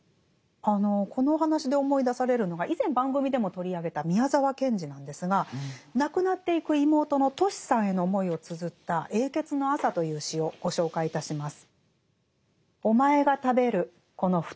このお話で思い出されるのが以前番組でも取り上げた宮沢賢治なんですが亡くなっていく妹のトシさんへの思いをつづった「永訣の朝」という詩をご紹介いたします。